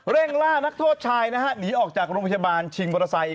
เร่งล่านักโทษชายหนีออกจากโรงพยาบาลชิงบริษัท